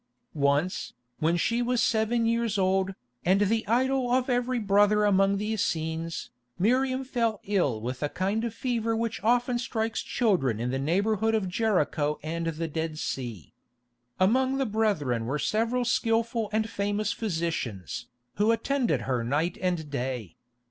Once, when she was seven years old, and the idol of every brother among the Essenes, Miriam fell ill with a kind of fever which often strikes children in the neighbourhood of Jericho and the Dead Sea. Among the brethren were several skilful and famous physicians, who attended her night and day.